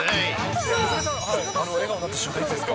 笑顔になった瞬間、いつですか？